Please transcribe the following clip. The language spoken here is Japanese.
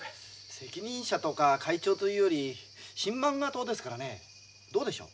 責任者とか会長というより新漫画党ですからねどうでしょう？